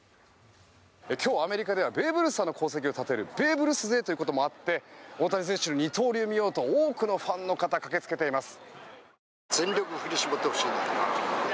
今日、アメリカではベーブ・ルースさんの功績をたたえるベーブ・ルースデーということもあって大谷選手の二刀流を見ようと多くのファンの方が駆けつけています。